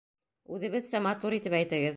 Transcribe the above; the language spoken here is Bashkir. — Үҙебеҙсә матур итеп әйтегеҙ.